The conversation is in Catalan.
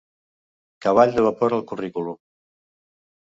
Cavall de vapor al currículum.